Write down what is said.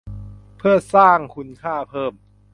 เพื่อสร้างคุณค่าเพิ่ม